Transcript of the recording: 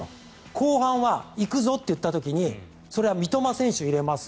後半は行くぞって言った時にそれは三笘選手を入れます